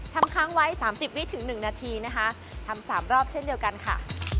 ค้างไว้๓๐วิถึง๑นาทีนะคะทำ๓รอบเช่นเดียวกันค่ะ